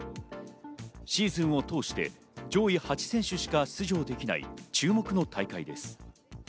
シーズンを通して上位８選手しか出場できない注目の大会です。